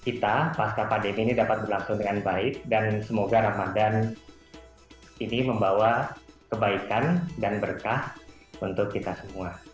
kita pasca pandemi ini dapat berlangsung dengan baik dan semoga ramadan ini membawa kebaikan dan berkah untuk kita semua